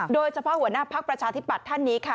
โดยเฉพาะหัวหน้าพักประชาธิปัตย์ท่านนี้ค่ะ